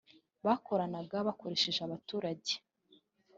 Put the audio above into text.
bakoranaga bakoresha abaturage